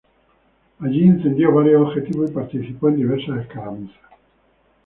Allí, incendió varios objetivos y participó en diversas escaramuzas.